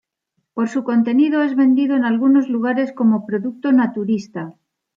Por su contenido es vendido en algunos lugares como producto naturista.